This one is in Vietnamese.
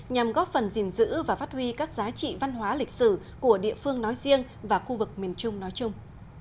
nhằm góp phần gìn giữ và phát huy các giá trị văn hóa lịch sử của địa phương nói riêng và khu vực miền trung nói chung